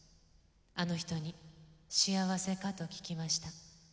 あの女に幸せかとききました。